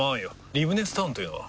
リブネスタウンというのは？